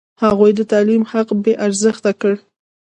هغوی د تعلیم حق بې ارزښته کړ.